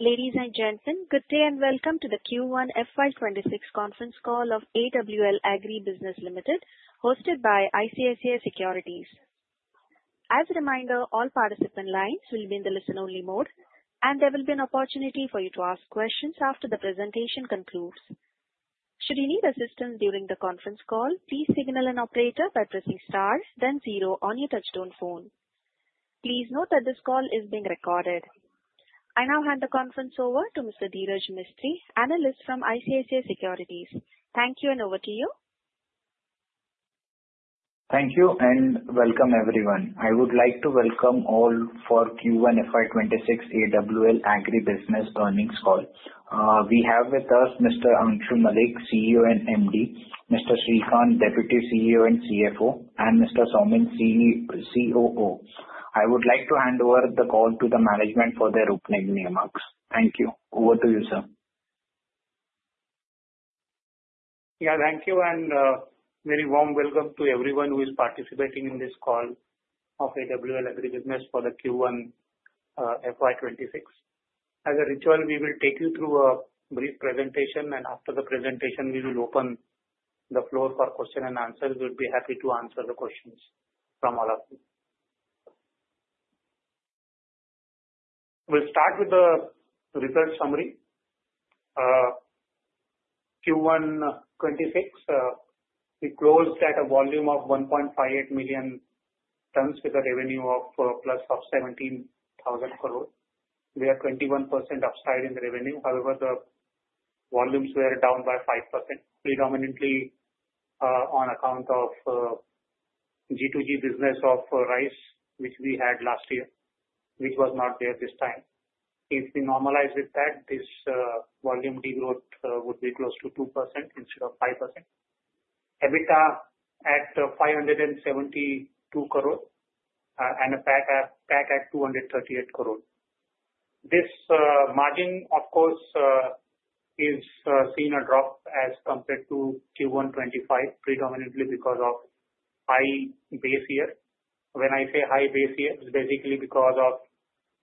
Ladies and gentlemen, good day and welcome to the Q1 FY26 conference call of AWL Agri Business Ltd hosted by ICICI Securities. As a reminder, all participant lines will be in the listen-only mode. There will be an opportunity for you to ask questions after the presentation concludes. Should you need assistance during the conference call, please signal an operator by pressing star then zero on your touch-tone phone. Please note that this call is being recorded. I now hand the conference over to Mr. Dhiraj Mistry, Analyst from ICICI Securities. Thank you and over to you. Thank you and welcome everyone. I would like to welcome all for Q1 FY26 AWL Agri Business Earnings Call. We have with us Mr. Angshu Mallick, CEO and Managing Director, Mr. Shrikant Kanhere, Deputy CEO and CFO, and Mr. Saumin Sheth, COO. I would like to hand over the call to the management for their opening remarks. Thank you. Over to you, sir. Yeah, thank you. And very warm welcome to everyone who is participating in this call of AWL Agri Business Ltd for the Q1 FY 2026. As a ritual, we will take you through a brief presentation. After the presentation, we will open the floor for Question and Answer. We'd be happy to answer the questions from all of you. We'll start with the result summary. Q1 2026. We closed at a volume of 1.58 million tons with a revenue of 17,000 crore+. We had 21% upside in the revenue. However, the volumes were down by 5% predominantly on account of G2G business of rice which we had last year, which was not there this time. If we normalize with that, this volume degrowth would be close to 2% instead of 5%. EBITDA at 572 crore and a PAT at 238 crore. This margin of course has seen a drop as compared to Q1 2025 predominantly because of high base year. When I say high base year, it's basically because of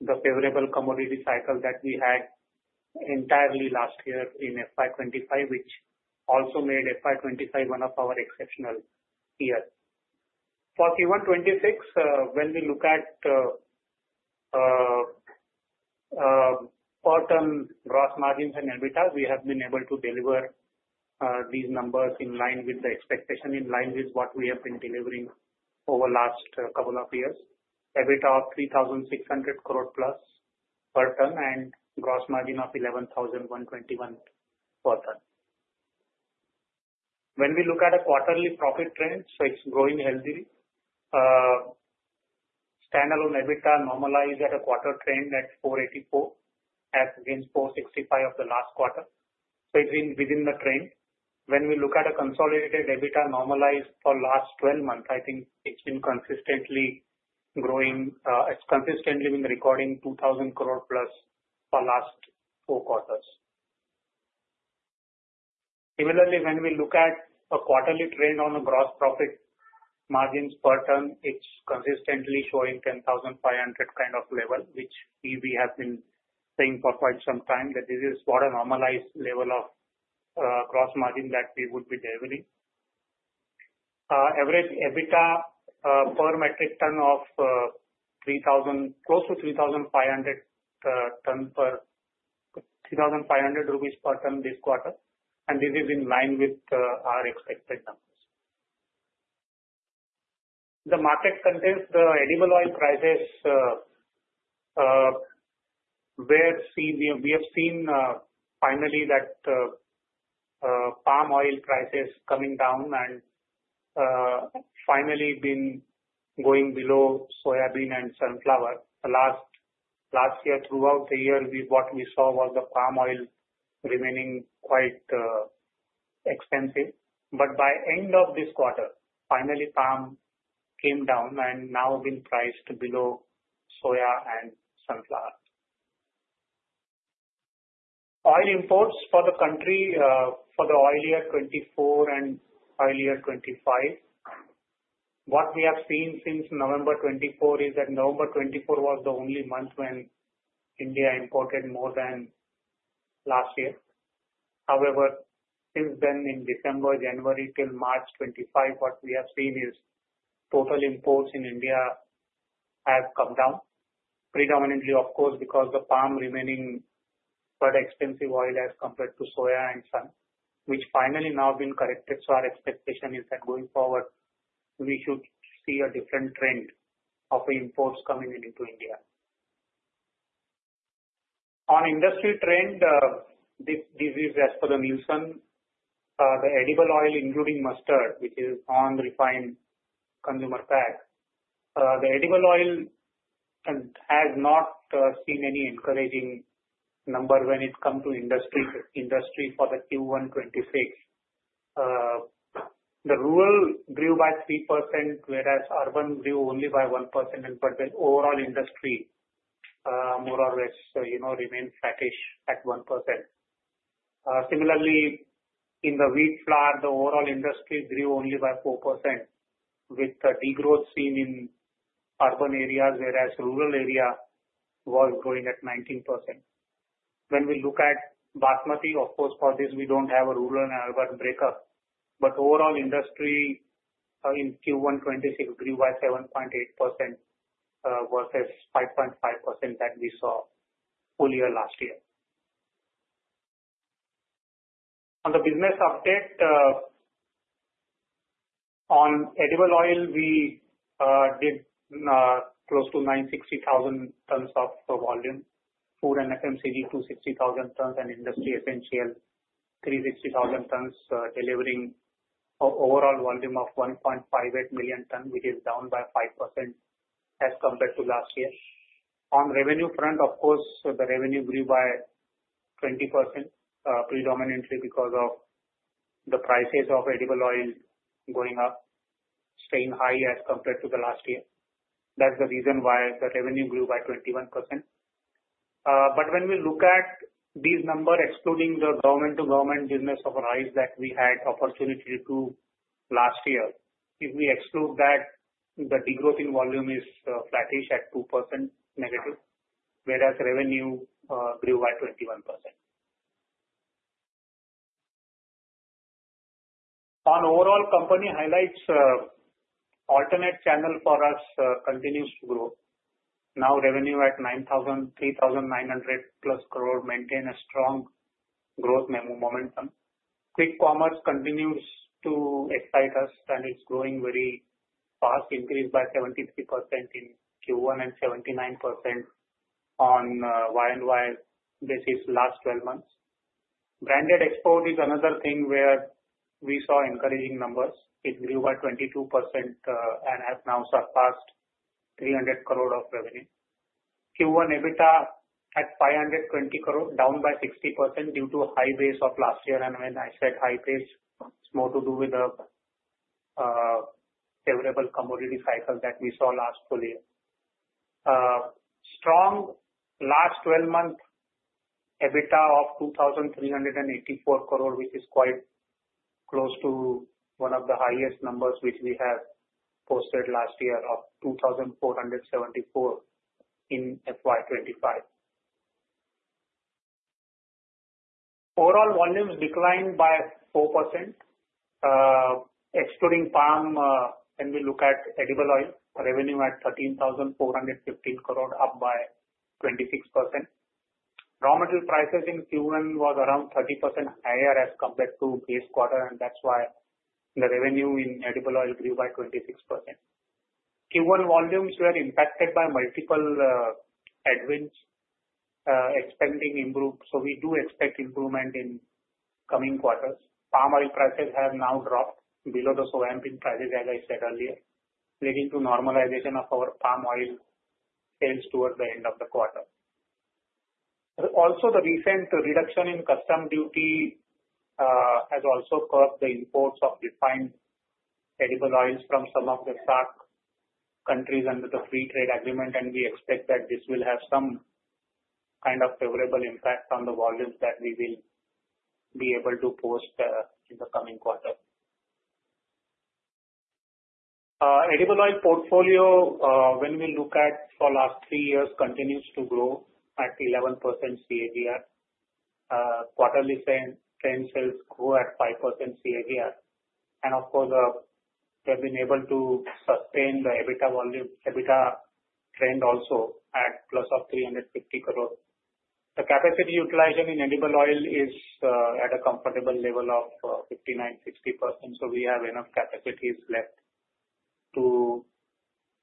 the favorable commodity cycle that we had entirely last year in FY2025, which also made FY2025 one of our exceptional years. For Q1 2026, when we look at gross margins and EBITDA, we have been able to deliver these numbers in line with the expectation, in line with what we have been delivering over last couple of years. EBITDA of 3,600 crore+ per ton and gross margin of 11,121 per ton. When we look at a quarterly profit trend, it's growing healthily. Standalone EBITDA normalized at a quarter trend at 484 crore at 465 crore of the last quarter. It's been within the trend. When we look at a consolidated EBITDA normalized for last 12 months, I think it's been consistently growing. It's consistently been recording 2,000 crore plus for last four quarters. Similarly, when we look at a quarterly trend on a gross profit margins per ton, it's consistently showing 10,500 kind of level which we have been saying for quite some time that this is what a normalized level of gross margin that we would be delivering. Average EBITDA per metric ton of 3,000 close to 3,500 per ton this quarter. This is in line with our expected numbers. The market contains the edible oil prices where we have seen finally that palm oil prices coming down and finally been going below soybean and sunflower last year. Throughout the year, what we saw was the palm oil remaining quite expensive. By end of this quarter, finally palm came down and now been priced below soya and sunflower oil imports for the country for the oil year 2024 and oil year 2025. What we have seen since November 2024 is that November 2024 was the only month when India imported more than last year. However, since then in December, January till March 2025, what we have seen is total imports in India have come down predominantly of course because the palm remaining quite expensive oil as compared to soya and sun, which finally now been corrected. Our expectation is that going forward we should see a different trend of imports coming into India. On industry trend, this is as per the Nielsen, the edible oil including mustard which is on refined consumer pack, the edible oil has not seen any encouraging number when it comes to industry. For Q1 2026, the rural grew by 3% whereas urban grew only by 1%. The overall industry more or less remained flattish at 1%. Similarly, in the wheat flour, the overall industry grew only by 4% with the degrowth seen in urban areas whereas rural area was growing at 19%. When we look at Basmati, for this we don't have a rural-urban breakup. Overall industry in Q1 2026 grew by 7.8% versus 5.5% that we saw earlier last year. On the business update on edible oil, we did close to 960,000 tons of volume, food and FMCG 260,000 tons, and industry essentials 360,000 tons, delivering overall volume of 1.58 million tons, which is down by 5% as compared to last year. On revenue front, the revenue grew by 20% predominantly because of the prices of edible oil going up, staying high as compared to last year. That's the reason why the revenue grew by 21%. When we look at these numbers excluding the government-to-government business of rice that we had opportunity to do last year, if we exclude that, the degrowth in volume is flattish at 2% negative whereas revenue grew at 21%. On overall company highlights, alternate channel for us continues to grow, now revenue at 9,000 crore-3,900 crore+, maintain a strong growth momentum. Quick commerce continues to excite us and it's growing very fast, increased by 73% in Q1 and 79% on YoY basis last 12 months. Branded export is another thing where we saw encouraging numbers. It grew by 22% and has now surpassed 300 crore of revenue. Q1 EBITDA at 520 crore, down by 60% due to high base of last year. When I said high base, it's more to do with the favorable commodity cycle that we saw last full year. Strong last 12 month EBITDA of 2,384 crore, which is quite close to one of the highest numbers which we have posted last year of 2,474 crore in FY25. Overall volumes declined by 4% excluding palm. We look at edible oil revenue at 13,415 crore, up by 26%. Raw material prices in Q1 were around 30% higher as compared to this quarter, and that's why the revenue in edible oil grew by 26%. Q1 volumes were impacted by multiple headwinds. We do expect improvement in coming quarters. Palm oil prices have now dropped below the soy oil prices, as I said earlier, leading to normalization of our palm oil sales towards the end of the quarter. The recent reduction in custom duty has also curbed the imports of refined edible oils from some of the SAARC countries under the Free Trade Agreement, and we expect that this will have some kind of favorable impact on the volumes that we will be able to post in the coming quarter. Edible oil portfolio, when we look at for last three years, continues to grow at 11% CAGR. Quarterly trend sales grew at 5% CAGR, and of course they have been able to sustain the EBITDA volume. EBITDA trend also at plus of 350 crore. The capacity utilization in edible oil is at a comfortable level of 59%-60%. We have enough capacities left to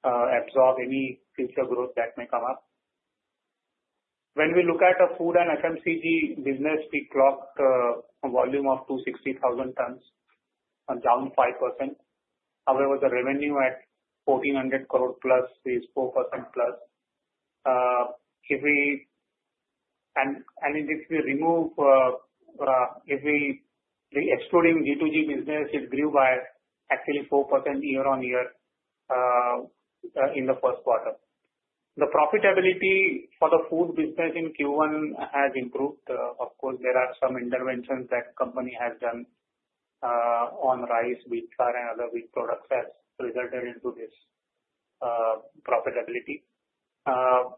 absorb any future growth that may come up. When we look at food and FMCG business, we clocked a volume of 260,000 tons, down 5%. However, the revenue at 1,400 crore+ is 4% plus. If we remove, if we are excluding G2G business, it grew by actually 4% year on year. In the first quarter, the profitability for the food business in Q1 has improved. There are some interventions that company has done on rice, wheat flour, and other wheat products as resulted into this profitability.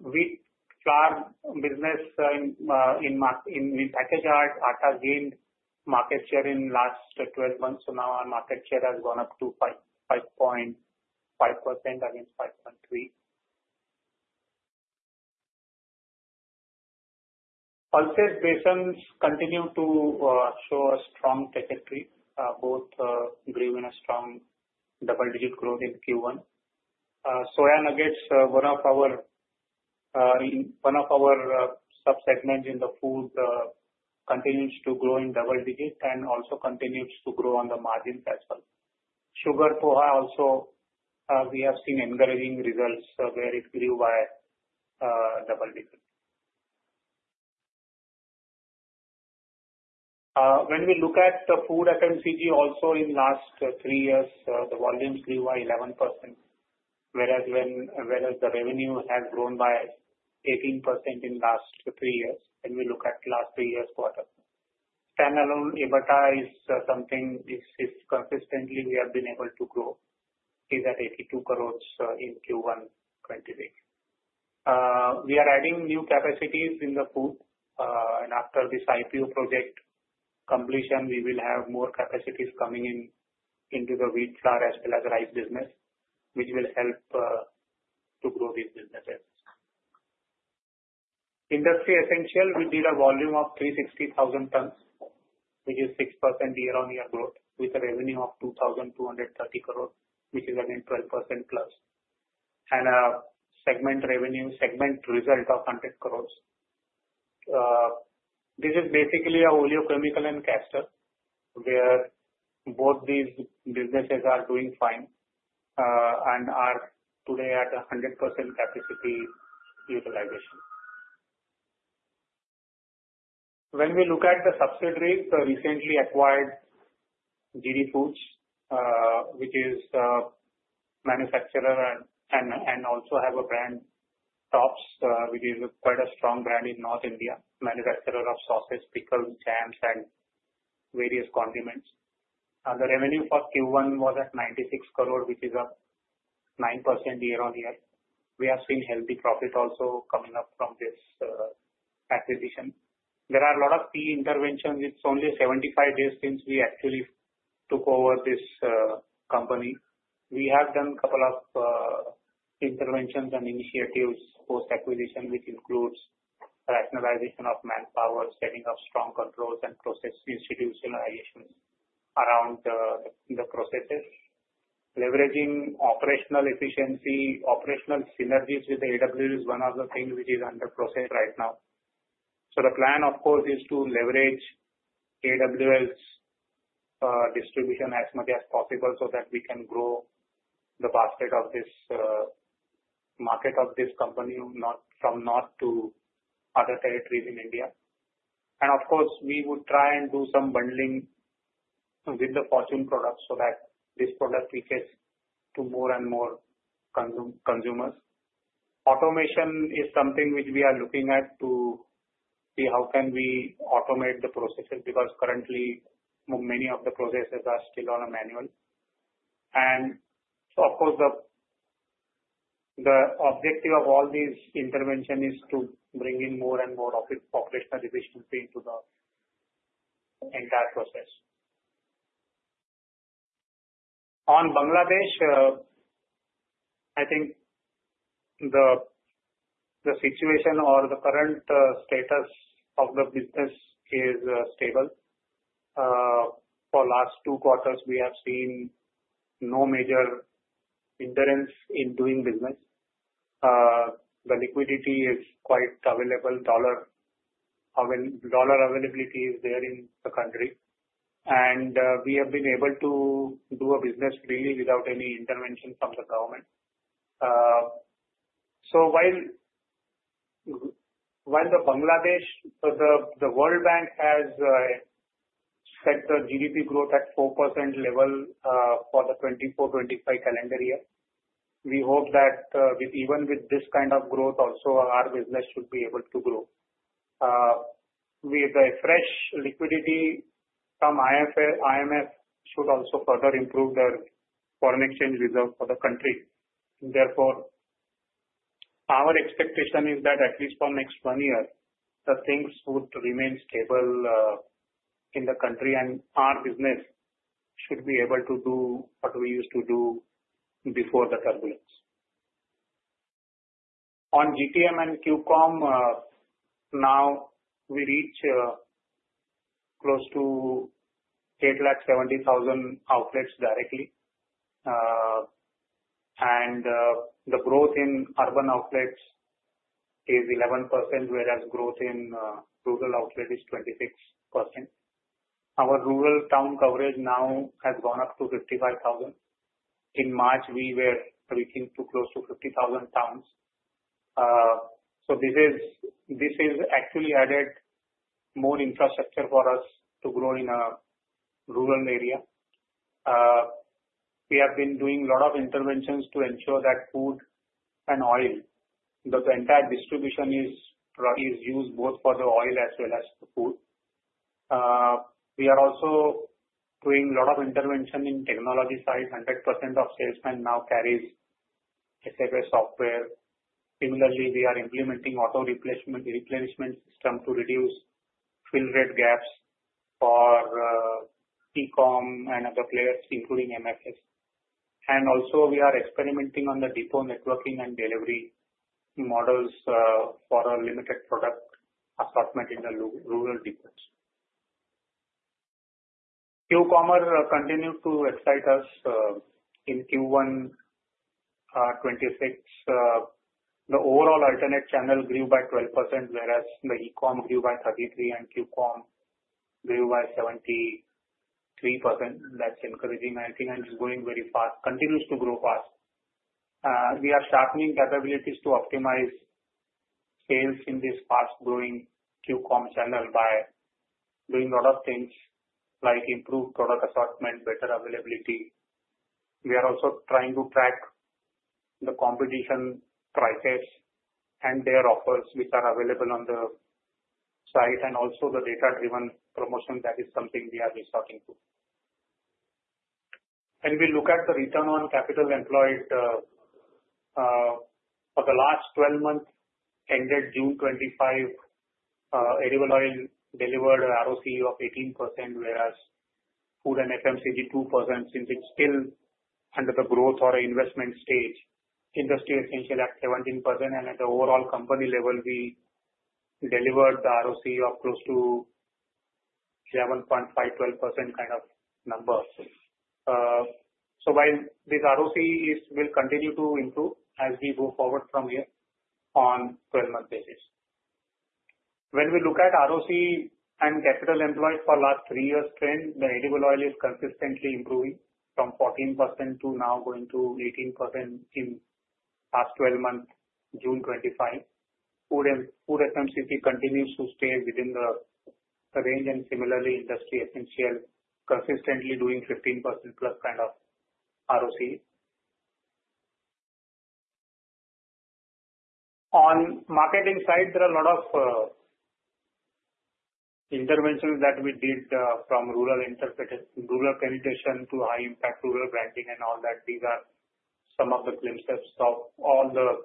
Wheat flour business in packaged atta gained market share in last 12 months, so now our market share has gone up to 5.5% against 5.3%. Pulses, besan continue to show a strong territory. Both grew in a strong double-digit growth in Q1. Soya nuggets, one of our sub segments in the food, continues to grow in double digit and also continues to grow on the margins as well. Sugar, poha also we have seen encouraging results where it grew by double-digit. When we look at the food FMCG also in last three years, the volumes grew by 11% whereas the revenue has grown by 18% in last three years. When we look at last three years quarter standalone EBITDA is something consistently we have been able to grow is at 82 crore in Q1 2023. We are adding new capacities in the pool and after this IPO project completion we will have more capacities coming in into the wheat flour as well as rice business which will help to grow these businesses. Industry essentials we did a volume of 360,000 tons which is 6% year-on-year growth with a revenue of 2,230 crore which is again 12% plus and segment revenue segment result of 100 crore. This is basically a oleochemical and castor where both these businesses are doing fine and are today at 100% capacity utilization. When we look at the subsidiary, the recently acquired G.D. Foods which is manufacturer and also have a brand Tops which is quite a strong brand in North India. Manufacturer of sauces, pickles, jams and various condiments. The revenue for Q1 was at 96 crore which is up 9% year-on-year. We have seen healthy profit also coming up from this acquisition. There are a lot of P&E interventions. It's only 75 days since we actually took over this company. We have done couple of interventions and initiatives post acquisition which includes rationalization of manpower, setting up strong controls and process institutionalizations around the processes, leveraging operational efficiency. Operational synergies with AWL is one of the things which is under process right now. The plan of course is to leverage AWL's distribution as much as possible so that we can grow the basket of this market of this company from North to other territories in India. Of course we would try and do some bundling with the Fortune products so that this product reaches to more and more consumers. Automation is something which we are looking at to see how can we automate the processes because currently many of the processes are still on a manual. The objective of all these intervention is to bring in more and more operational efficiency into the entire process. On Bangladesh, I think the situation or the current status of the business is stable. For last two quarters we have seen no major endurance in doing business. The liquidity is quite available. Dollar availability is there in country and we have been able to do a business really without any intervention from the government. While the World Bank has set the GDP growth at 4% level for the 2024-2025 calendar year, we hope that even with this kind of growth also our business should be able to grow with a fresh liquidity. Some IMF should also further improve their foreign exchange reserve for the country. Therefore, our expectation is that at least for next one year the things would remain stable in the country and our business should be able to do what we used to do before the turbulence on GTM and QCOM. Now we reach close to 870,000 outlets directly and the growth in urban outlets is 11% whereas growth in rural outlet is 26%. Our rural town coverage now has gone up to 55,000. In March we were reaching to close to 50,000 towns. This has actually added more infrastructure for us to grow in a rural area. We have been doing a lot of interventions to ensure that food and oil, the entire distribution is used both for the oil as well as the food. We are also doing a lot of intervention in technology side. 100% of salesmen now carry SAP software. Similarly, we are implementing auto-replenishment system to reduce fill-rate gaps for e-commerce and other players including MFs. We are also experimenting on the depot networking and delivery models for a limited product assortment in the rural deepest. QCOM continues to excite us. In Q1 2026 the overall alternate channel grew by 12% whereas the e-commerce grew by 33% and QCOM grew by 73%. That's encouraging. I think it's going very fast. Continues to grow fast. We are sharpening capabilities to optimize sales in this fast growing QCOM channel by doing a lot of things like improve product assortment, better availability. We are also trying to track the competition prices and their offers which are available on the site and also the data-driven promotion that is something we are resorting to. When we look at the return on capital employed for the last 12 months ended June 25th edible oil delivered an ROCE of 18% whereas food and FMCG did 2% since it's still under the growth or investment stage. Industry essentials at 17% and at the overall company level we delivered the ROCE of close to 11.5%-12% kind of number. This ROCE will continue to improve as we go forward from here on 12-month basis. When we look at ROCE and capital employed for last three years trend the edible oil is consistently improving from 14% to now going to 18% in past 12 months. June 25 food FMCG continues to stay within the range and similarly industry essentials consistently doing 15% plus kind of ROCE. On the marketing side, there are a lot of interventions that we did from rural interpretation, rural penetration to high impact rural branding and all that. These are some of the glimpses of all the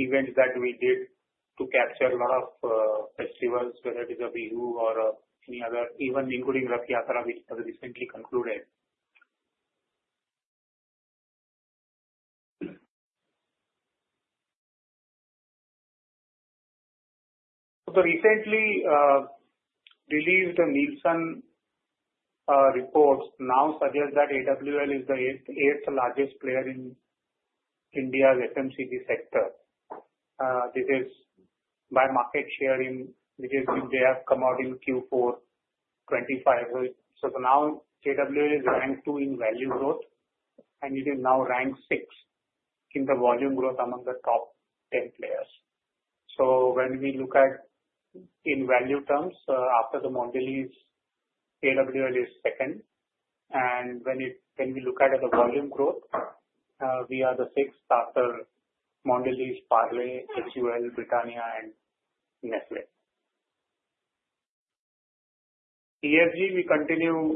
events that we did to capture a lot of festivals, whether it is a view or any other, even including Rath Yatra which has recently concluded. The recently released Nielsen reports now suggest that AWL is the 8th largest player in India's FMCG sector. This is by market share, which they have come out in Q4 2025. Now AWL is ranked two in value growth and it is now ranked six in the volume growth among the top 10 players. When we look at in value terms, after Mondelez, AWL is second, and when we look at the volume growth, we are the sixth after Mondelez, Parle, HUL, Britannia, and Nestle. ESG, we continue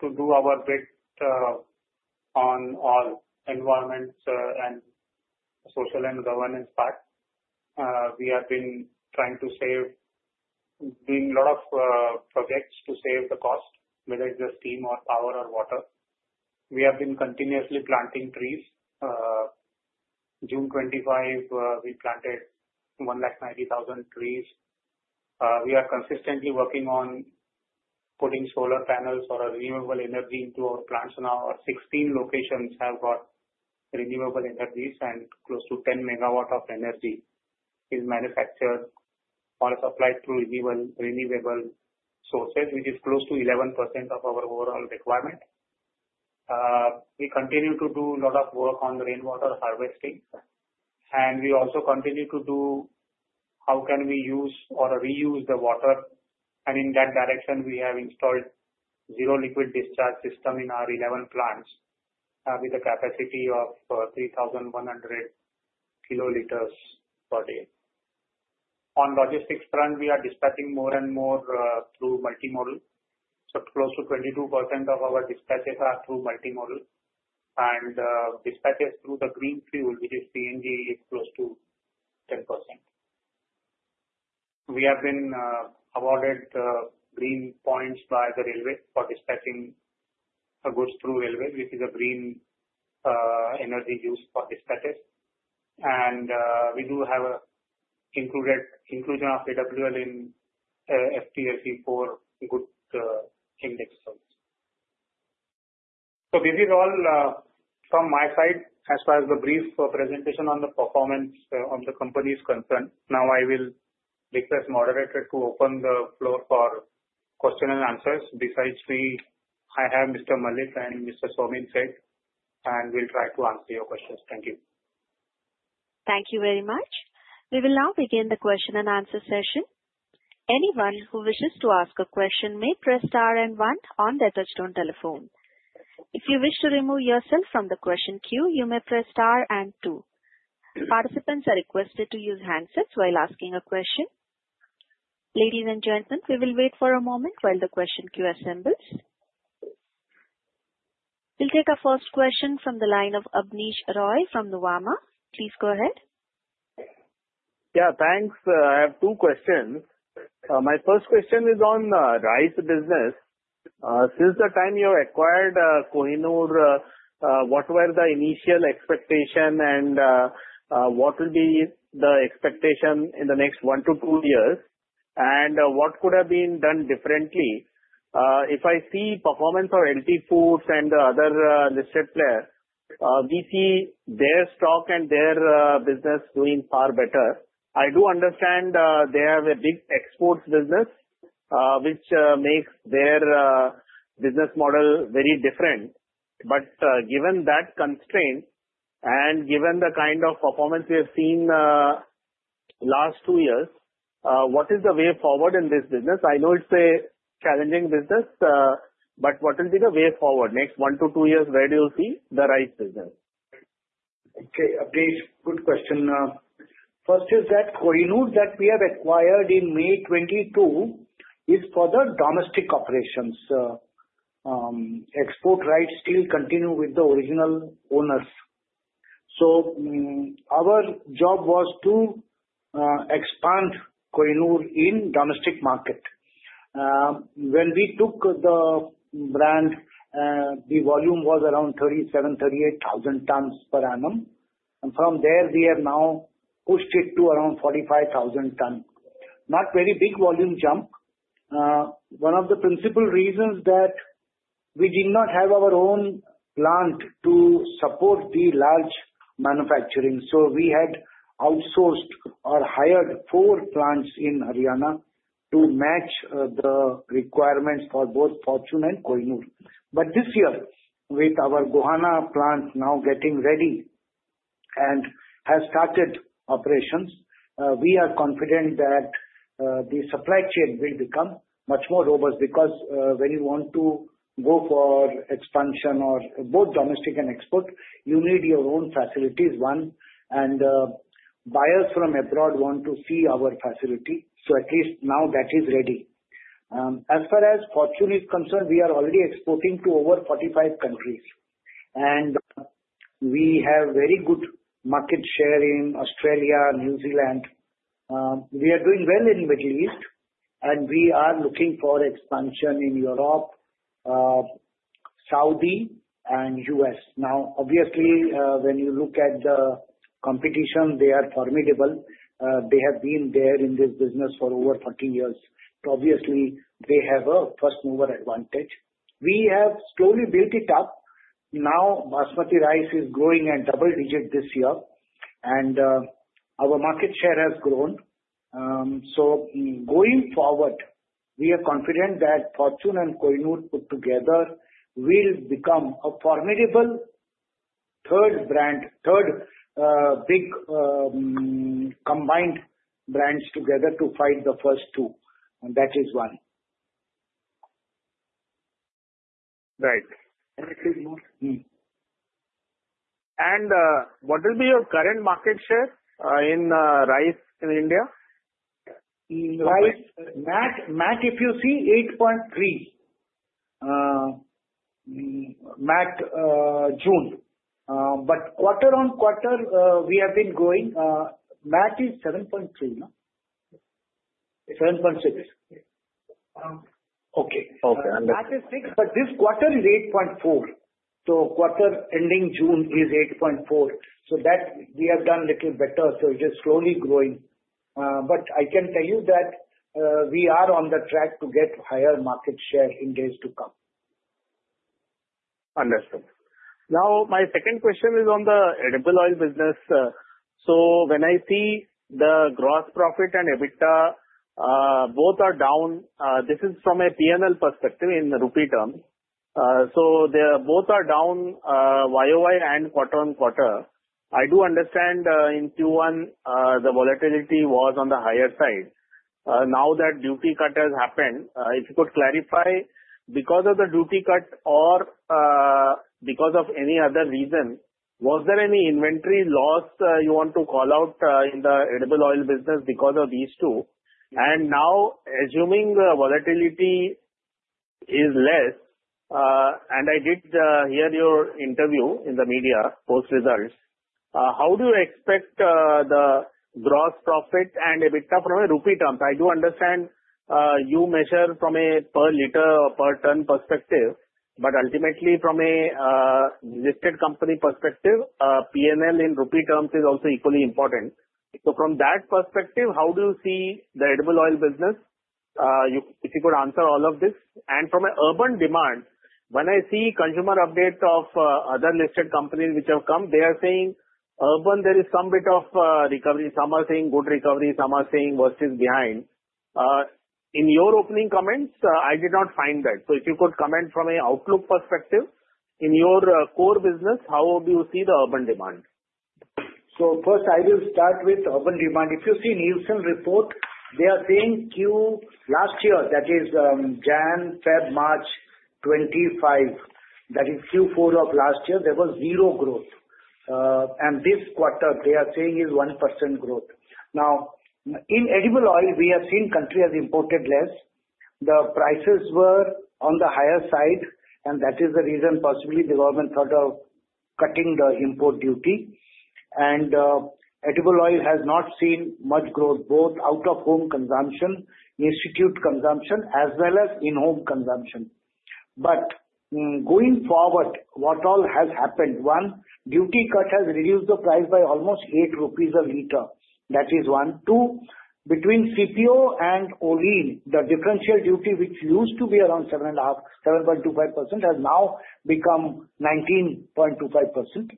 to do our bit on all environment and social and governance part. We have been trying to save, doing a lot of projects to save the cost, whether it's the steam or power or water. We have been continuously planting trees. June 25, we planted 190,000 trees. We are consistently working on putting solar panels or renewable energy into our plants. Now 16 locations have got renewable energies and close to 10 MW of energy is manufactured or supplied through renewable sources, which is close to 11% of our overall requirement. We continue to do a lot of work on rainwater harvesting and we also continue to do how can we use or reuse the water, and in that direction we have installed Zero Liquid Discharge system in our 11 plants with a capacity of 3,100 kiloliters per day. On the logistics front, we are dispatching more and more through multimodal. Close to 22% of our dispatches are through multimodal and dispatches through the green fuel, which is PNG, is close to 10%. We have been awarded green points by the railway for dispatching goods through railway, which is a green energy used for this status. We do have an inclusion of AWL in FTSE4Good Index. This is all from my side as far as the brief presentation on the performance of the company is concerned. Now I will request the moderator to open the floor for question and answers. Besides me, I have Mr. Mallick and Mr. Saumin Sheth and we'll try to answer your questions. Thank you. Thank you very much. We will now begin the Question and Answer session. Anyone who wishes to ask a question may press star and one on their touchstone telephone. If you wish to remove yourself from the question queue, you may press star and two. Participants are requested to use handsets while asking a question. Ladies and gentlemen, we will wait for a moment while the question queue assembles. We'll take our first question from the line of Abneesh Roy from Nuvama. Please go ahead. Yeah, thanks. I have two questions. My first question is on rice business. Since the time you acquired Kohinoor, what were the initial expectation and what will be the expectation in the next one to two years, and what could have been done differently? If I see performance of LT Foods and other listed players, we see their stock and their business doing far better. I do understand they have a big exports business which makes their business model very different. Given that constraint and given the kind of performance we have seen last two years, what is the way forward in this business? I know it's a challenging business. What will be the way forward next one to two years? Where do you see the rice business? Okay, Abneesh, good question. First is that Kohinoor that we have acquired in May 2022 is for the domestic operations. Export rights still continue with the original owners. Our job was to expand Kohinoor in the domestic market. When we took the brand, the volume was around 37,000-38,000 tons per annum. From there we have now pushed it to around 45,000 tons. Not a very big volume jump. One of the principal reasons is that we did not have our own plant to support the large manufacturing. We had outsourced or hired four plants in Haryana to match the requirements for both Fortune and Kohinoor. This year, with our Gohana plant now getting ready and having started operations, we are confident that the supply chain will become much more robust. When you want to go for expansion for both domestic and export, you need your own facilities. Buyers from abroad want to see our facility. At least now that is ready. As far as Fortune is concerned, we are already exporting to over 45 countries and we have very good market share in Australia and New Zealand. We are doing well in the Middle East and we are looking for expansion in Europe, Saudi, and the U.S. When you look at the competition, they are formidable. They have been there in this business for over 40 years. They have a first mover advantage. We have slowly built it up. Basmati rice is growing at double-digit this year and our market share has grown. Going forward, we are confident that Fortune and Kohinoor put together will become a formidable third brand, third big combined brands together to fight the first two and that is one. Right? What will be your current market share in rice in India? MAT, if you see 8.3%. MAT June, but quarter-on-quarter we have been going MAT is 7.3%. 7.6%. Okay, okay. This quarter is 8.4%, so quarter ending June is 8.4%. We have done a little better. It is slowly growing. I can tell you that we are on the track to get higher market share in days to come. Understood. Now my second question is on the edible oil business. When I see the gross profit and EBITDA, both are down. This is from a P&L perspective in rupee terms, so they both are down YoY and quarter-on-quarter. I do understand in Q1 the volatility was on the higher side. Now that the duty cut has happened, if you could clarify, because of the duty cut or because of any other reason, was there any inventory loss you want to call out in the edible oil business because of these two? Now, assuming volatility is less, and I did hear your interview in the media post results, how do you expect the gross profit and EBITDA from a rupee terms? I do understand you measure from a per liter or per ton perspective, but ultimately from a listed company perspective, P&L in rupee terms is also equally important. From that perspective, how do you see the edible oil business? If you could answer all of this, and from an urban demand, when I see consumer update of other listed companies which have come, they are saying urban there is some bit of recovery, some are saying good recovery, some are saying versus behind. In your opening comments I did not find that. If you could comment from an outlook perspective in your core business, how do you see the urban demand? First I will start with urban demand. If you see the Nielsen report, they are saying Q1 last year, that is January, February, March 2023, that is Q4 of last year, there was zero growth, and this quarter they are saying is 1% growth. Now in edible oil, we have seen the country has imported less, the prices were on the higher side, and that is the reason possibly the government thought of cutting the import duty. Edible oil has not seen much growth, both out-of-home consumption, institute consumption, as well as in-home consumption. Going forward, what all has happened? One duty cut has reduced the price by almost 8 rupees a liter. That is, one, two, between CPO and Olein. The differential duty, which used to be around 7.5%, 7.25%, has now become 19.25%.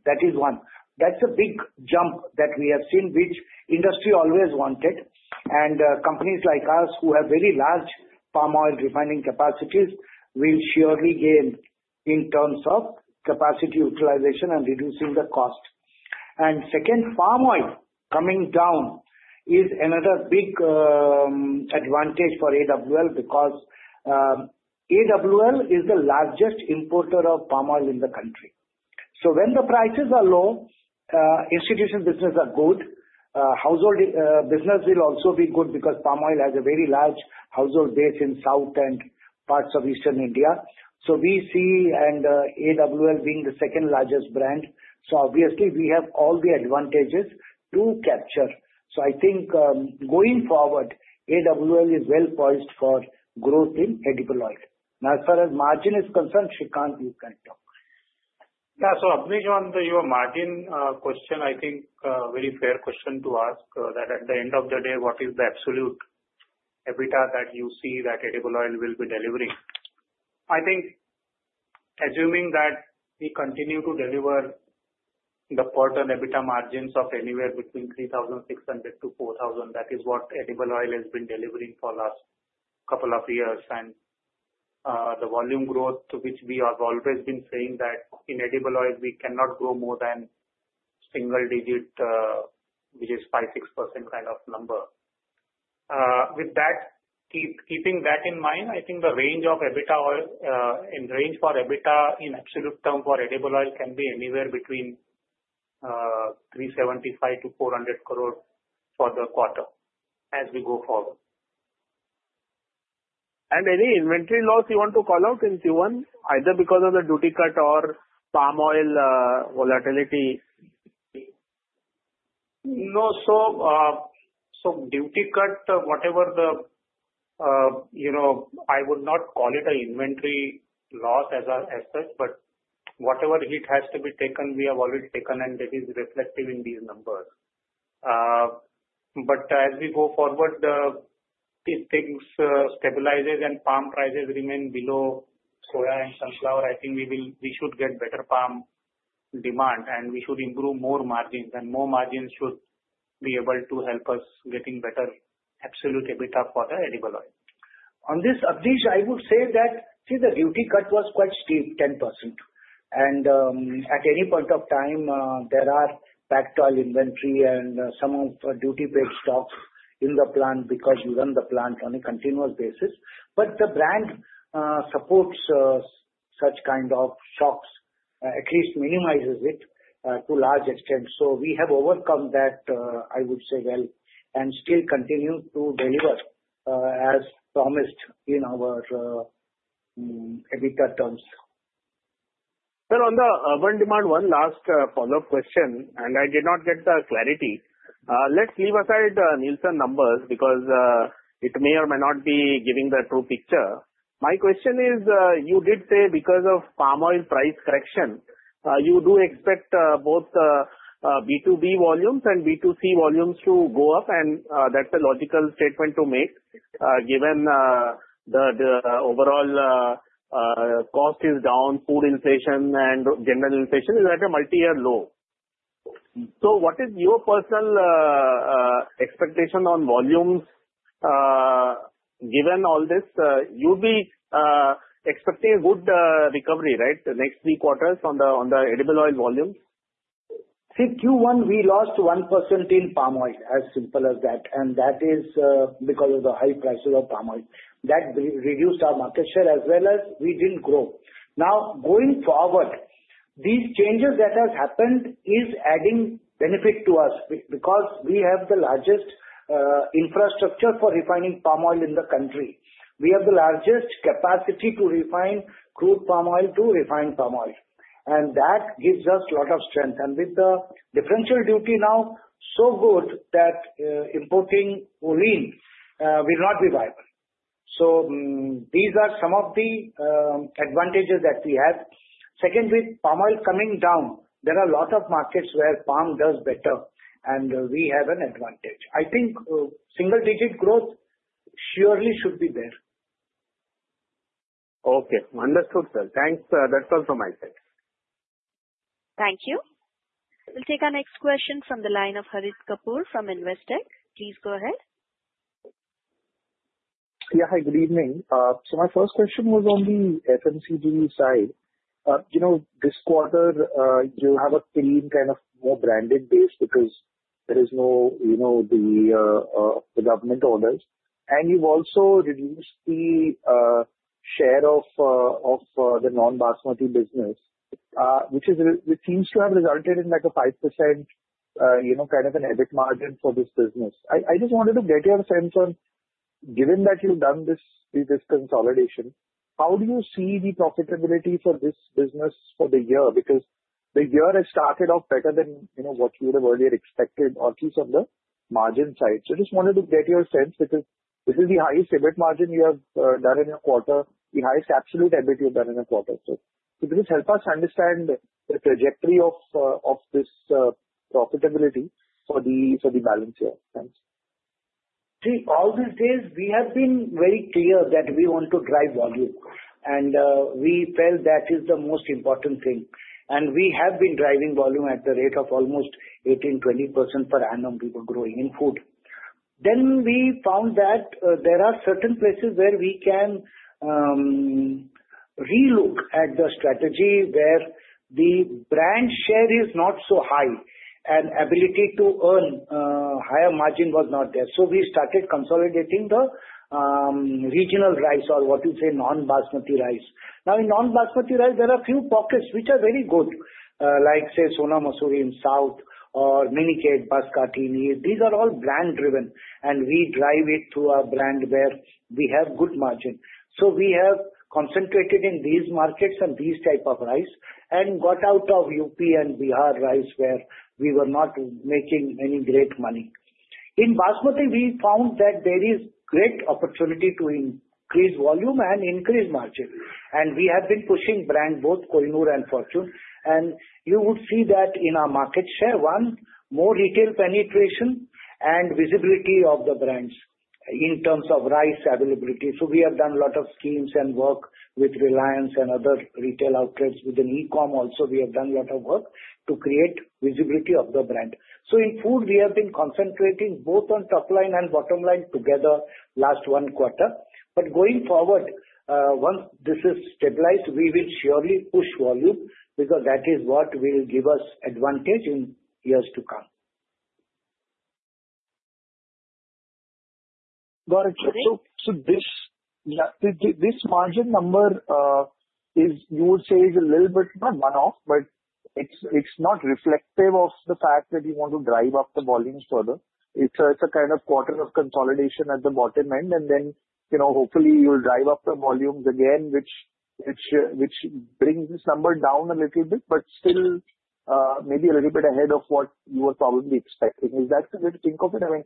That is one. That's a big jump that we have seen, which the industry always wanted, and companies like us who have very large palm oil refining capacities will surely gain in terms of capacity utilization and reducing the cost. Second, palm oil coming down is another big advantage for AWL because AWL is the largest importer of palm oil in the country. When the prices are low, institution business is good. Household business will also be good because palm oil has a very large household base in South and parts of eastern India. We see AWL being the second largest brand, so obviously we have all the advantages to capture. I think going forward AWL is well poised for growth in edible oil. Now as far as margin is concerned, Shrikant, you can talk. Yeah. Abneesh, on your margin question, I think very fair question to ask that at the end of the day what is the absolute EBITDA that you see that edible oil will be delivering? I think assuming that we continue to deliver the quarter EBITDA margins of anywhere between 3,600-4,000. That is what edible oil has been delivering for last couple of years. The volume growth to which we have always been saying that in edible oil we cannot grow more than single digit which is 5%-6% kind of number. With that, keeping that in mind, I think the range of EBITDA in absolute term for edible oil can be anywhere between 375 crore-400 crore for the quarter as we go forward. Any inventory loss you want to call out in Q1 either because of the custom duty cut or palm oil volatility. No. So. Duty cut, whatever the, you know, I would not call it an inventory loss as our assets, but whatever heat has to be taken, we have already taken, and that is reflective in these numbers. As we go forward, if things stabilize and palm prices remain below soya and sunflower, I think we will, we should get better palm demand, and we should improve more margins, and more margins should be able to help us getting better absolute EBITDA for the edible oil. On this I would say that see the duty cut was quite steep, 10%, and at any point of time there are packed oil inventory and some duty-paid stocks in the plant because you run the plant on a continuous basis, but the brand supports such kind of shocks, at least minimizes it to a large extent. We have overcome that, I would say, and still continue to deliver as promised in our EBITDA terms. Sir, on the urban demand, one last follow-up question, and I did not get the clarity. Let's leave aside Nielsen numbers because it may or may not be giving the true picture. My question is, you did say because of palm oil price correction, you do expect both B2B volumes and B2C volumes to go up? That's a logical statement to make given the overall cost is down, food inflation and general inflation is at a multi-year low. What is your personal expectation on volumes? Given all this, you would be expecting a good recovery, right? Next three quarters on the edible oil volumes. See Q1 we lost 1% in palm oil, as simple as that. That is because of the high prices of palm oil. That reduced our market share as well as we didn't grow. Now going forward these changes that have happened is adding benefit to us because we have the largest infrastructure for refining palm oil in the country. We have the largest capacity to refine crude palm oil to refined palm oil, and that gives us a lot of strength. With the differential duty now so good that importing will not be viable. These are some of the advantages that we have. Second, with palm oil coming down, there are a lot of markets where palm does better and we have an advantage. I think single-digit growth surely should be there. Okay, understood sir. Thanks. That's all from my side. Thank you. We'll take our next question from the line of Harit Kapoor from Investec. Please go ahead. Yeah, hi, good evening. My first question was on the FMCG side. You know, this quarter you have a clean kind of more branded base because there is no, you know, the government orders. You've also reduced the share of the non-Basmati business, which seems to have resulted in like a 5% EBIT margin for this business. I just wanted to get your sense on, given that you've done this consolidation, how do you see the profitability for this business for the year? The year has started off better than what you would have earlier expected, or at least on the margin side. I just wanted to get your sense because this is the highest EBIT margin you have done in your quarter, the highest absolute EBIT you've done in a quarter. Please help us understand the trajectory of this profitability for the balance here. Thanks. See, all these days we have been very clear that we want to drive volume and we felt that is the most important thing and we have been driving volume at the rate of almost 18%-20% per annum, people growing in food. We found that there are certain places where we can re-look at the strategy where the brand share is not so high and ability to earn higher margin was not there. We started consolidating the regional rice or what you say non-Basmati rice. Now in non-Basmati rice there are few pockets which are very good like say Sona Masoori in South India or Miniket Pascatini. These are all brand-driven and we drive it through our brand Bear. We have good margin, so we have concentrated in these markets and these types of rice and got out of UP and Bihar rice where we were not making any great money. In Basmati we found that there is great opportunity to increase volume and increase margin and we have been pushing brand both Kohinoor and Fortune and you would see that in our market share, more retail penetration and visibility of the brands in terms of rice availability. We have done a lot of schemes and work with Reliance and other retail outlets. Within e-commerce also we have done a lot of work to create visibility of the brand. In food we have been concentrating both on top line and bottom line together last one quarter. Going forward, once this is stabilized, we will surely push volume because that is what will give us advantage in years to come. Got it. This margin number is, you would say, is a little bit, not one off, but it's not reflective of the fact that you want to drive up the volumes further? It's a kind of quarter of consolidation at the bottom end and then hopefully you'll drive up the volumes again, which brings this number down a little bit but still maybe a little bit ahead of what you were probably expecting. Is that the way to think of it? I mean,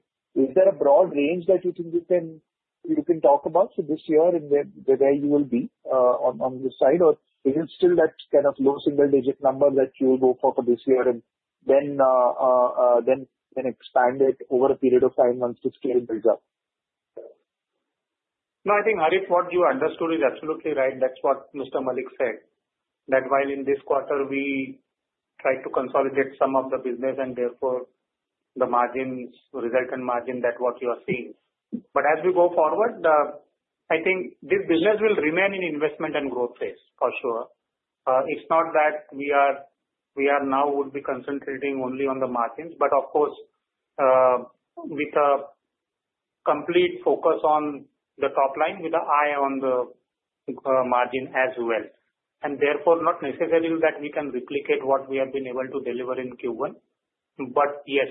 is there a broad range that you think you can talk about for this year and where you will be on this side, or is it still that kind of low single digit number that you will go for for this year and then expand it over a period of time once the scale builds up? No, I think Harit, what you understood is absolutely right. That's what Mr. Mallick said, that while in this quarter we tried to consolidate some of the business and therefore the margins result in margin that what you are seeing. As we go forward, I think this business will remain in investment and growth phase for sure. It's not that we are now would be concentrating only on the margins, of course with a complete focus on the top line with the eye on the margin as well. Therefore, not necessarily that we can replicate what we have been able to deliver in Q1. Yes,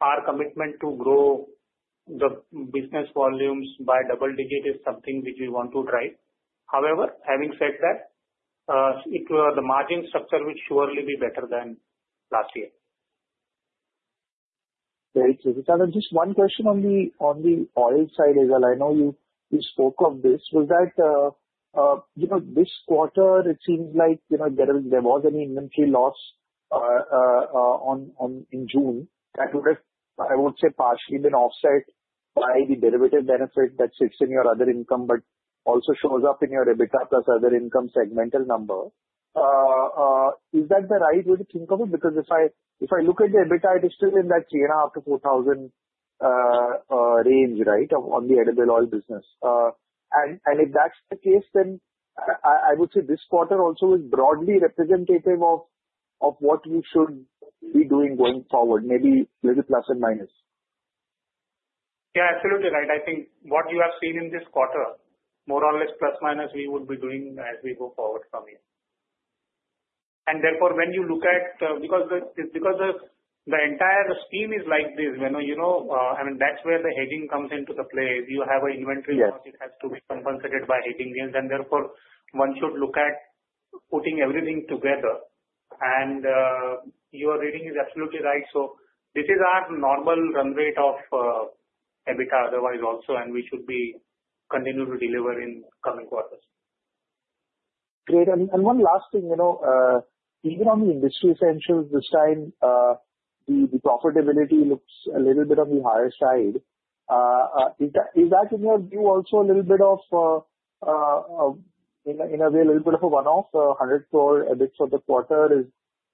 our commitment to grow the business volumes by double-digit is something which we want to drive. However, having said that, the margin structure will surely be better than last year. Just one question on the oil side as well, I know you spoke of this, was that this quarter it seems like there was an inventory loss in June that would have, I won't say partially been offset by the derivative benefit that sits in your other income but also shows up in your EBITDA plus other income segmental number. Is that the right way to think of it? Because if I look at the EBITDA it is still in that three and a half to 4,000 range, right, on the edible oil business. If that's the case then I would say this quarter also is broadly representative of what you should be doing going forward, maybe plus and minus. Yeah, absolutely right. I think what you have seen in this quarter, more or less plus minus, we would be doing as we go forward from here. Therefore, when you look at it, because the entire scheme is like this, I mean that's where the hedging comes into play. You have an inventory loss, it has to be compensated by hedging yields. Therefore, one should look at putting everything together and your reading is absolutely right. This is our normal run rate of EBITDA otherwise also and we should continue to deliver in coming quarters. Great. One last thing, you know, even on the industry essentials this time the profitability looks a little bit on the higher side. Is that in your view also a little bit of, in a way, a little bit of a one-off 100 crore EBIT for the quarter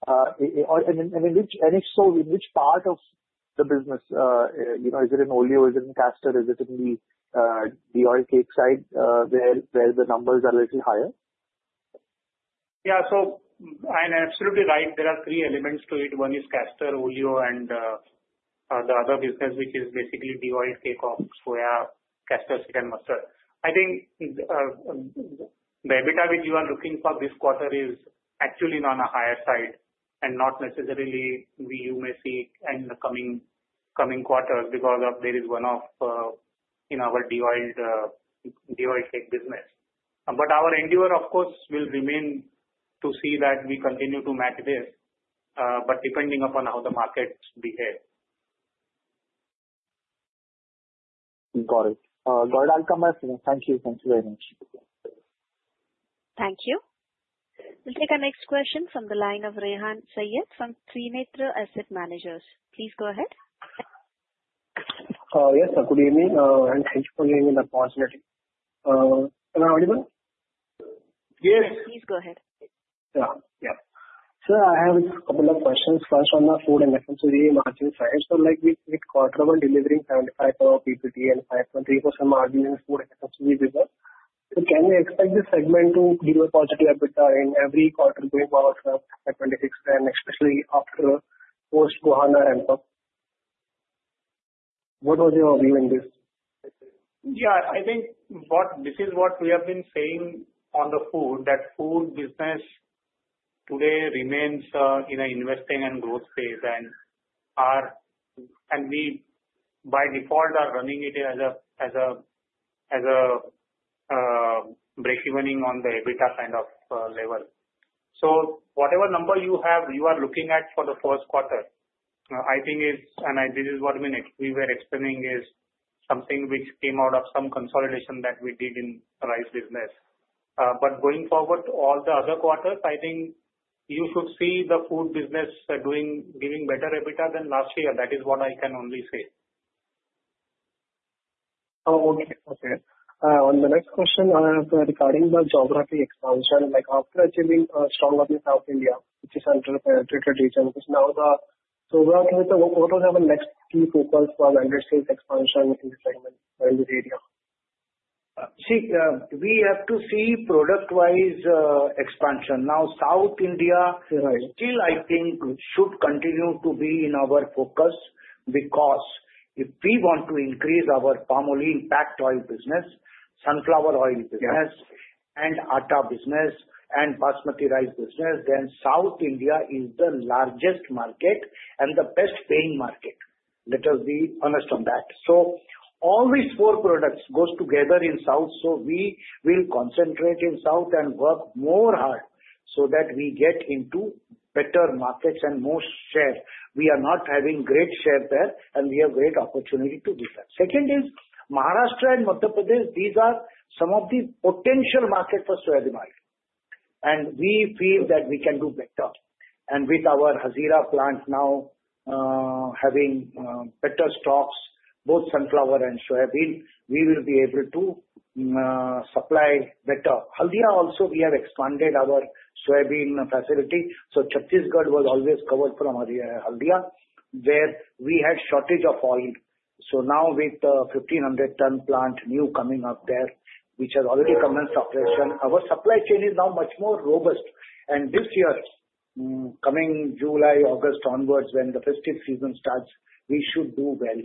and, if so, in which part of the business is it? Is it in oleochemicals? Is it in castor? Is it in the oil cake side where the numbers are a little higher? Yeah, so you're absolutely right. There are three elements to it. One is castor, oleochemicals, and the other business which is basically de-oiled cake, soya, castor seed, and mustard. I think the EBITDA which you are looking for this quarter is actually on the higher side and not necessarily you may see in the coming quarters because there is a one-off in our de-oiled business. Our endeavor, of course, will remain to see that we continue to match this but depending upon how the markets behave. Got it, got it. Thank you. Thanks very much. Thank you. We'll take our next question from the line of Rehan Saiyyed from Trinetra Asset Managers. Please go ahead. Yes, good evening, and thank you for giving an opportunity. Am I audible? Yes, Please go ahead. Yeah. Sir, I have a couple of questions. First on the food and FMCG margin side. With quarter one delivering 75 crores of PBT and 5.3% margin in food and FMCG, can we expect this segment is delivering positive in every quarter going forward for 2026 and especially after post Gohana ramp up? What was your view in this? Yeah, I think this is what we have been saying on the food, that food business today remains in an investing and growth phase, and we by default are running it as a break-evening on the EBITDA kind of level. Whatever number you are looking at for the first quarter, I think, and this is what we were explaining, is something which came out of some consolidation that we did in rice business. Going forward to all the other quarters, I think you should see the food business giving better EBITDA than last year. That is what I can only say. Okay, on the next question regarding the geography expansion like after achieving a stronger margin in South India, which is an under-penetrated region, now the so working with the What was our next key focus for land sales expansion in this segment, in this area. See, we have to see product-wise expansion. Now, South India still, I think, should continue to be in our focus because if we want to increase our palm olein packed oil business, sunflower oil business, Atta business, and Basmati rice business, South India is the largest market and the best-paying market. Let us be honest on that. All these four products go together in South. We will concentrate in South. Work more hard so that we get into better markets and more share. We are not having great share there, and we have great opportunity to do that. Second is Maharashtra and Madhya Pradesh. These are some of the potential markets for soybean oil, and we feel that we can do better. With our Hazira plant now having better stocks, both sunflower and soybean, we will be able to supply better from Haldia. Also, we have expanded our soybean facility. Chhattisgarh was always covered from Haldia where we had shortage of oil. Now, with 1,500 ton plant new coming up there which has already commenced operation, our supply chain is now much more robust. This year, coming July, August onwards when the festive season starts, we should go well.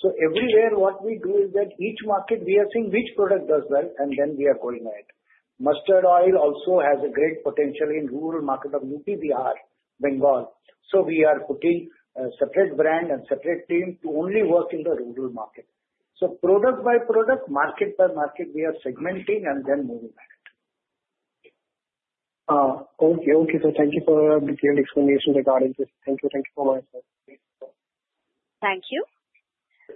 Everywhere, what we do is that each market we are seeing which product does well, and then we are going ahead. Mustard oil also has a great potential in rural market of UP, Bihar, Bengal. We are putting a separate brand and separate team to only work in the rural market. Product by product, market by market, we are segmenting and then moving. Okay. Okay. Thank you for detailed explanation regarding this. Thank you. Thank you so much. Thank you.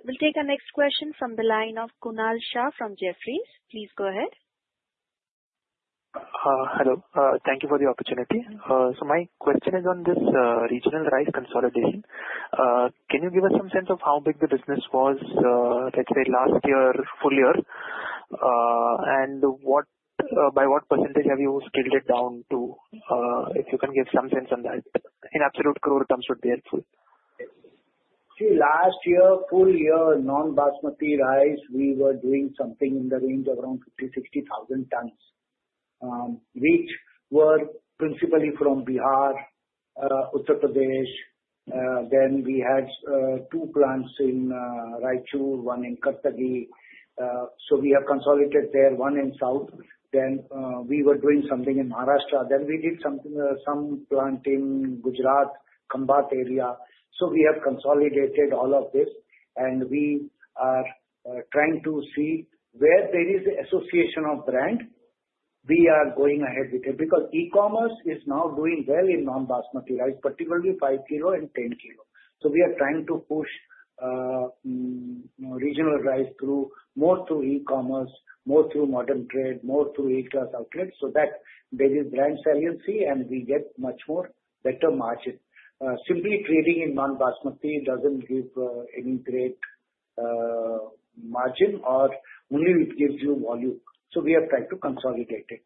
We'll take our next question from the line of Kunal Shah from Jefferies. Please go ahead. Hello. Thank you for the opportunity. My question is on this regional rice consolidation. Can you give us some sense of how big the business was, let's say last year, full year, and by what percentage have you scaled it down? If you can give some sense on that in absolute crore terms, it would be helpful. See, last year, full year non-Basmati rice, we were doing something in the range around 50,000 tons-60,000 tons, which were principally from Bihar, Uttar Pradesh. We had two plants in Raichur, one in Kathagi. We have consolidated there, one in South. We were doing something in Maharashtra. We did some planting in Gujarat, Khambat area. We have consolidated all of this, and we are trying to see where there is association of brand. We are going ahead with it because e-commerce is now doing well in non-Basmati rice, particularly 5-kilo and 10-kilo. We are trying to push regional rice more through e-commerce, more through modern trade, more through E class outlets so that there is brand saliency and we get much better margin. Simply trading in non-Basmati doesn't give any great margin or only it gives you volume. We have tried to consolidate it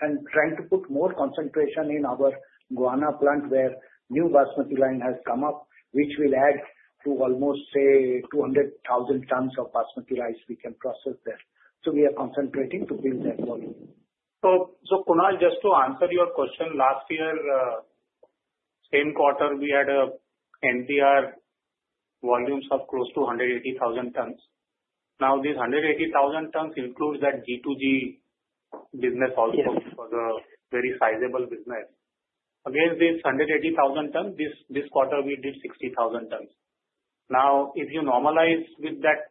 and are trying to put more concentration in our Gohana plant where a new Basmati line has come up, which will add to almost 200,000 tons of Basmati rice. we can process there. We are concentrating to build that volume. Kunal, just to answer your question, last year same quarter we had NPR volumes of close to 180,000 tons. Now these 180,000 tons include that G2G business also for the very sizable business. Against this 180,000 tons, this quarter we did 60,000 tons. If you normalize with that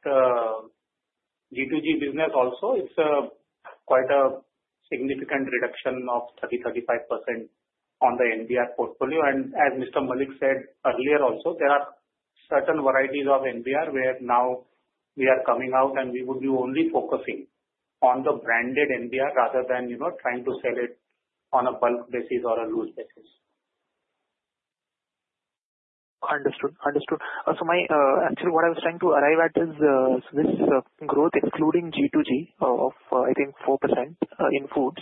G2G business also, it's quite a significant reduction of 30%-35% on the NPR portfolio. As Mr. Mallick said earlier, there are certain varieties of NPR where now we are coming out and we would be only focusing on the branded NPR rather than trying to sell it on a bulk basis or a loose basis. Understood. Understood. Actually, what I was trying to arrive at is this growth excluding G2G of I think 4% in foods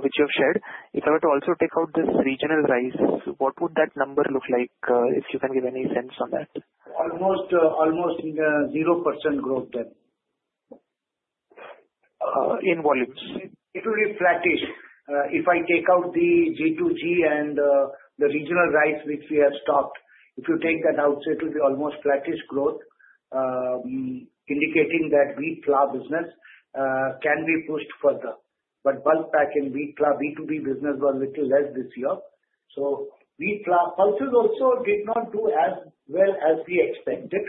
which you have shared. If I were to also take out this regional rice, what would that number look like? If you can give any sense on that. Almost 0% growth then. In volumes it will be flattish. If I take out the G2G and the regional rice which we have stocked, if you take that out it is almost flattish growth, indicating that wheat flour business can be pushed further. Bulk-pack and wheat flour B2B business was little less this year. Wheat flour pulses also did not do as well as we expected,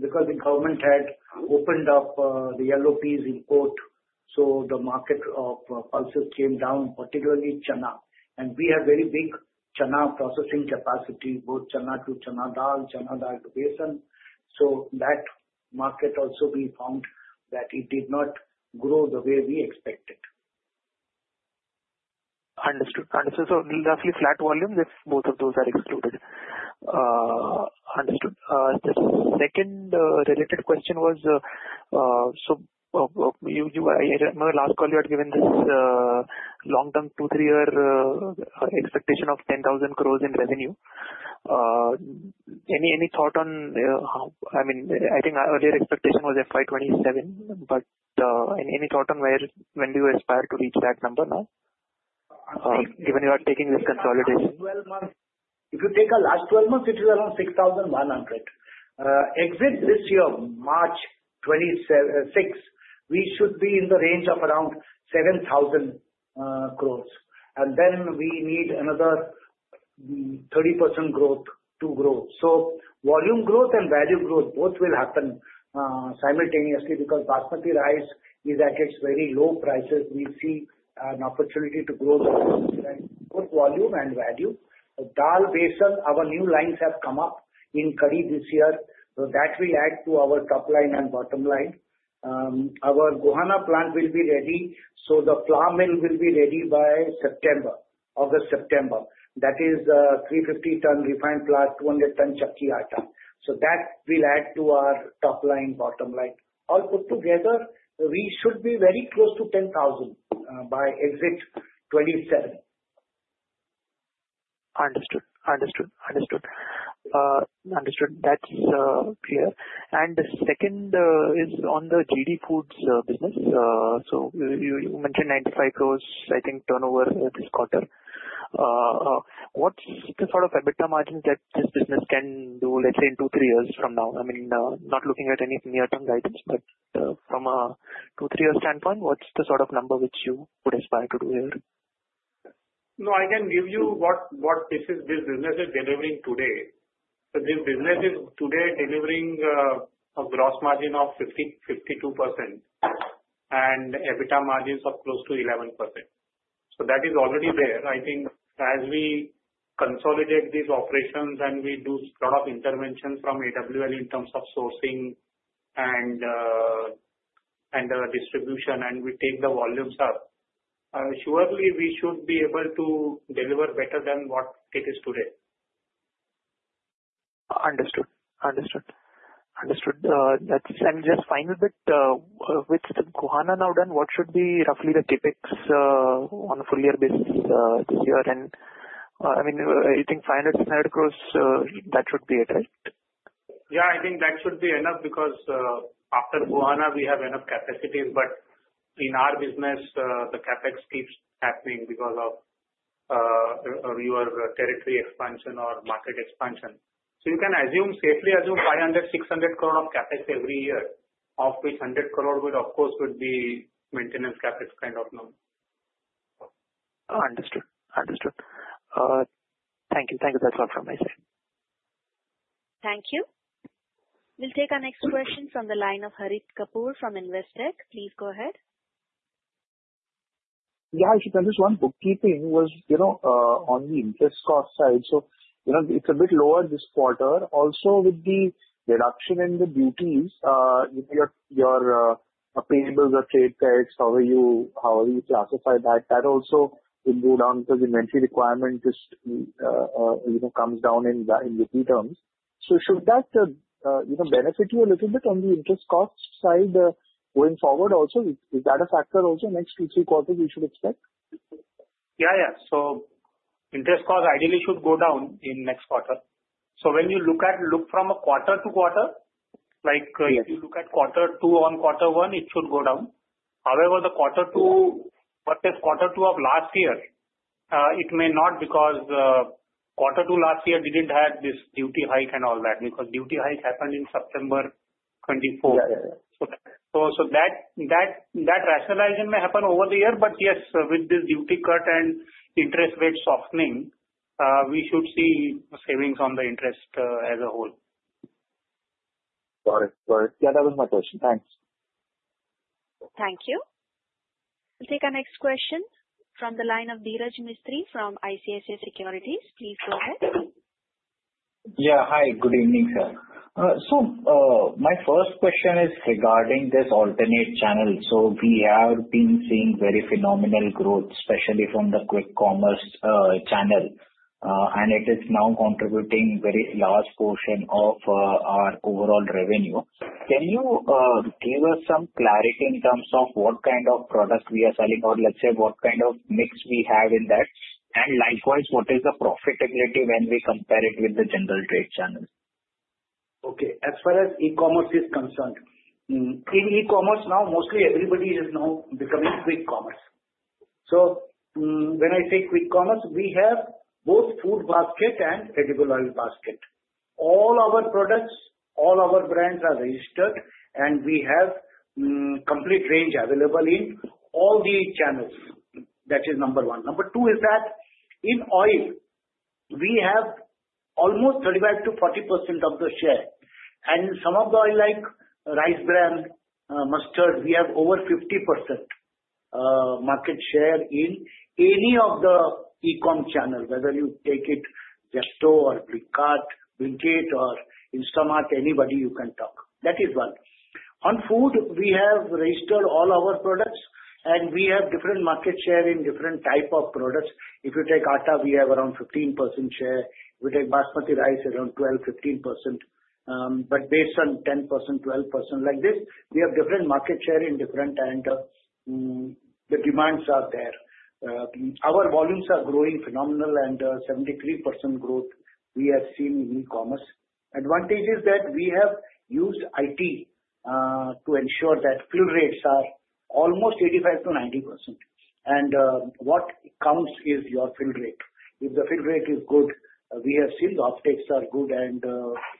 because the government had opened up the yellow pea import. The market of pulses came down, particularly Chennai, and we have very big chana processing capacity, both Chennai to chana dal basin. That market also we found that it did not grow the way we expected. Understood. So roughly flat volumes if both of those are excluded. The second related question was, I remember last call you had given this long-term two- to three-year expectation of 10,000 crore in revenue. Any thought on, I mean I think earlier expectation was FY 2027. Any thought on where, when do you aspire to reach that number now given you are taking this consolidation. If you take our last 12 months, it is around 6,100 crore. Exit this year, March 2026, we should be in the range of around 7,000 crore. We need another 30% growth to grow. Volume growth and value growth both will happen simultaneously. Because Basmati rice is at its very low prices, we see an opportunity to grow good volume and value. Dal, besan, our new lines have come up in curry this year. That will add to our top line and bottom line. Our Gohana plant will be ready. The flour mill will be ready by August-September. That is 350 ton refined flour, 200 ton chakti atta. That will add to our top line, bottom line. All put together, we should be very close to 10,000 crore by exit 2027. Understood, understood, understood, understood. That's clear. The second is on the G.D. Foods business. You mentioned 95 crore, I think, turnover this quarter. What's the sort of EBITDA margins that this business can do, let's say, in two-three years from now? I mean, not looking at any near-term guidance, but from a two-three-year standpoint, what's the sort of number which you would aspire to do here? No, I can give you what this business is delivering today. This business is today delivering a gross margin of 52% and EBITDA margins of close to 11%. That is already there. I think as we consolidate these operations and we do a lot of interventions from AWL in terms of sourcing and distribution and we take the volumes up, surely we should be able to deliver better than what it is today. Understood, understood, understood. Just final bit, with Gohana now done, what should be roughly the CapEx on a full year basis this year? I mean, I think INR 500, 600 crore, that would be it, right? Yeah, I think that should be enough because after Gohana we have enough capacities. In our business the CapEx keeps happening because of your territory expansion or market expansion. You can safely assume 500 crore-600 crore of CapEx every year, of which 100 crore would, of course, be maintenance CapEx kind of. Understood, understood. Thank you, thank you. That's all from my side. Thank you. We'll take our next question from the line of Harit Kapoor from Investec. Please go ahead. Yeah, this one, bookkeeping was, you know, on the interest cost side. So, you know, it's a bit lower this quarter also. With the reduction in the duties, your payables are trade taxed. However you classify that, that also will go down because inventory requirement just comes down in wiki terms. Should that benefit you a little bit on the interest cost side going forward also? Is that a factor also next two, three quarter we should expect? Yeah, yeah. So interest cost ideally should go down in next quarter. When you look from a quarter-to-quarter, like if you look at quarter two on quarter one, it should go down. However, the quarter two versus quarter two of last year, it may not because quarter two last year didn't have this duty hike and all that because duty hike happened in September 2024. That rationalization may happen over the year. Yes, with this duty cut and interest rate softening, we should see savings on the interest as a whole. Got it? Yeah, that was my question. Thanks. Thank you. We'll take our next question from the line of Dhiraj Mistry from ICICI Securities. Please go ahead. Yeah, hi. Good evening, sir. My first question is regarding this alternate channel. We are seeing very phenomenal growth, especially from the quick commerce channel, and it is now contributing a very large portion of our overall revenue. Can you give us some clarity in terms of what kind of product we qre selling or let's say what kind of mix we have in that. Likewise, what is the profitability when we compare it with the general trade channels? Okay. As far as e-commerce is concerned, in e-commerce now mostly everybody is. Now becoming quick commerce. When I say quick commerce, we have both food basket and vegetable oil basket. All our products, all our brands are registered, and we have complete range available in all the channels. That is number one. Number two is that in oil we have almost 35%-40% of the share. In some of the oil like rice bran, mustard, we have over 50% market share in any of the e-commerce channel. Whether you take it Zepto or Instamart, anybody you can talk. That is one. On food we have registered all our products, and we have different market share in different type of products. If you take Atta, we have around 15% share. We take Basmati rice, around 12-15%. Based on 10%-12%, like this, we have different market share in different and the demands are there. Our volumes are growing phenomenal. 73% growth we have seen in e-commerce. Advantage is that we have used it to ensure that fill rates are almost 85% to 90%. What counts is your fill rate. If the fill rate is good, we have seen the uptakes are good and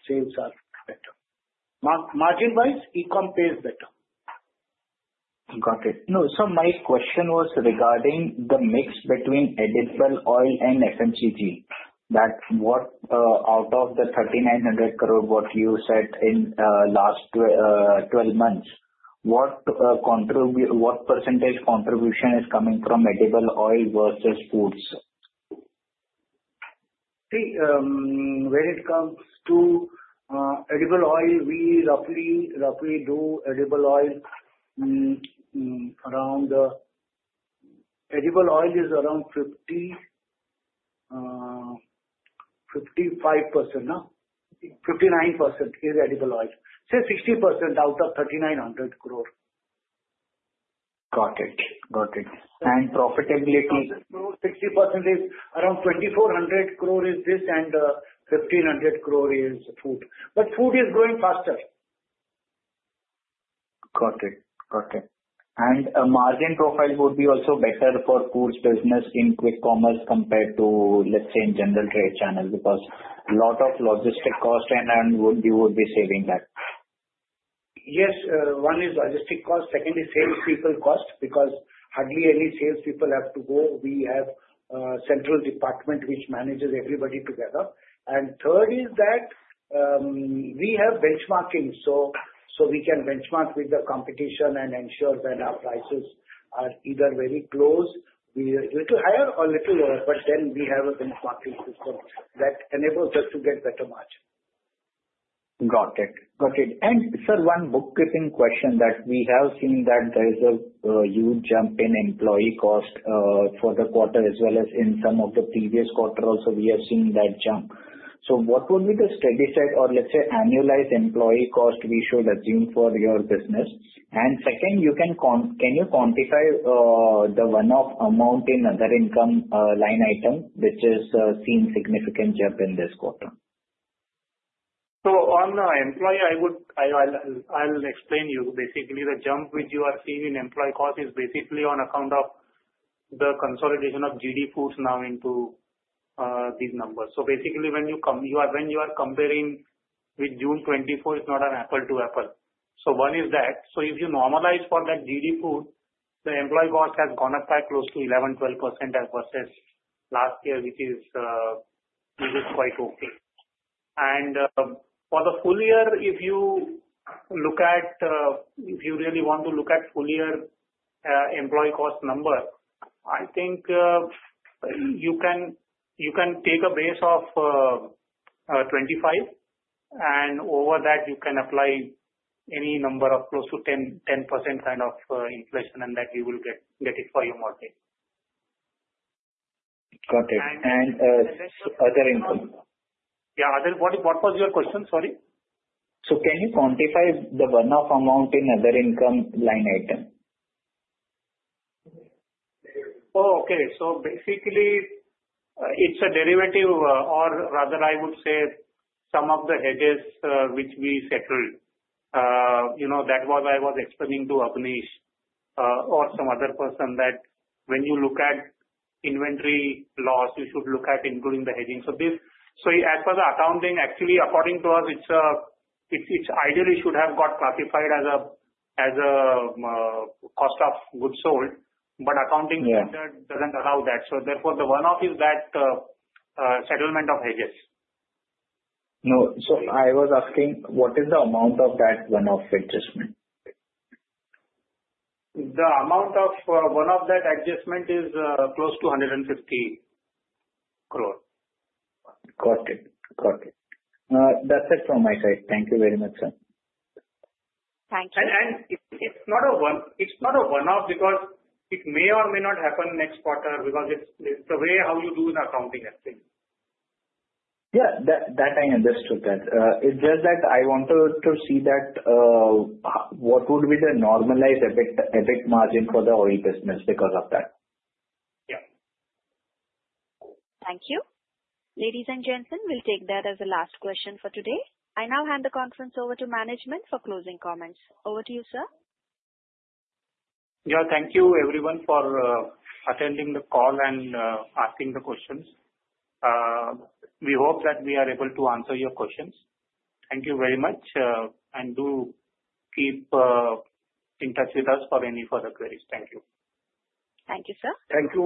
sales are better. Margin-wise, e-commerce pays better. Got it? No. My question was regarding the mix between edible oil and FMCG, that out of the 3,900 crore you said in the last 12 months, what percentage contribution is coming from edible oil versus foods? When it comes to edible oil, we roughly do edible oil around, edible oil is around 50%, 55%, 59% is edible oil, say 60% out of 3,900 crore. Got it. Got it. 60%, which is around 2,400 crore, and 1,500 crore is food. Food is growing faster. Got it. Got it. A margin profile would be also better for foods business in quick commerce compared to, let's say, in general trade channel because lot of logistic cost would be saving that. Yes, one is logistic cost. Second is salespeople cost because hardly any salespeople have to go. We have a central department which manages everybody together. Third is that we have benchmarking, so we can benchmark with the competition and ensure that our prices are either very close, a little higher, or a little lower. We have a benchmarking system that enables us to get better margin. Got it. Got it. Sir, one bookkeeping question that we have seen is that there is a huge jump in employee cost for the quarter as well as in some of the previous quarters also we have seen that jump. What would be the steady state or let's say annualized employee cost we should assume for your business? Second, can you quantify the one-off amount in other income line item which has seen a significant jump in this quarter? On employee, I would explain. Basically, the jump which you are seeing in employee cost is basically on account of the consolidation of G.D. Foods now into these numbers. When you are comparing with June 2024, it's not an apple-to-apple. One is that. If you normalize for that, the employee cost has gone up by close to 11%-12% as versus last year, which is quite okay. For the full year, if you look at, if you really want to look at full year employee cost number, I think you can take a base of 25 and over that you can apply any number of close to 10% kind of inflation and that we will get it for your market. Got it. Other info. Yeah, what was your question? Sorry. Can you quantify the one-off amount in other income line item? Okay, so basically it's a derivative or rather I would say some of the hedges which we settled. That was, I was explaining to Avanesh or some other person that when you look at inventory loss you should look at including the hedging. As for the accounting, actually according to us, it ideally should have got classified as a Cost of Goods Sold, but accounting doesn't allow that. Therefore, the one-off is that settlement of hedges. No, so I was asking what is the amount of that one-off adjustment. The amount of one-off adjustment is close to 150 crore. Got it. Got it. That's it from my side. Thank you very much, sir. Thank you. It is not a one off because it may or may not happen next quarter. It is the way how you do in accounting. Yeah, I understood that. It's just that I wanted to see what would be the normalized EBIT margin for the oil business? Because of that, yeah. Thank you, ladies and gentlemen. We'll take that as the last question for today. I now hand the conference over to management for closing comments. Over to you, sir. Thank you, everyone, for attending the call and asking the questions. We hope that we are able to answer your questions. Thank you very much. Do keep in touch with us for any further queries. Thank you. Thank you, sir. Thank you.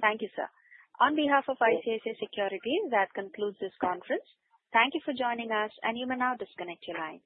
Thank you, sir. On behalf of ICICI Securities, that concludes this conference. Thank you for joining us. You may now disconnect your lines.